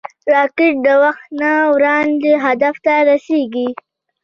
راکټ د وخت نه وړاندې هدف ته رسېږي